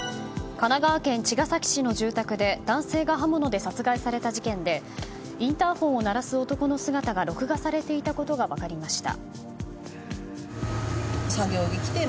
神奈川県茅ヶ崎市の住宅で男性が刃物で殺害された事件でインターホンを鳴らす男の姿が録画されていたことが分かりました。